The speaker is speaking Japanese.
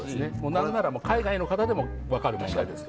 何なら海外の方でも分かる問題です。